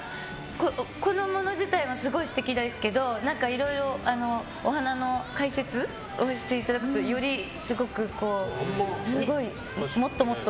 このもの自体もすごい素敵ですけどいろいろお花の解説をしていただくとよりすごくもっともっと。